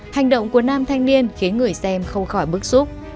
hành động của nam thanh niên khiến người xem không khỏi bức xúc